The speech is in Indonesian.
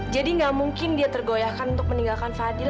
jadi tidak mungkin dia tergoyahkan untuk meninggalkan fadil